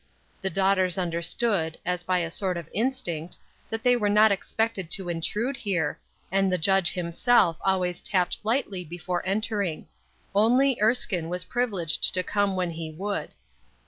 The daughters understood, as by a sort of instinct, that they were not expected to intrude here, and the Judge himself always tapped lightly before entering ; only Erskine was privileged to come when he would.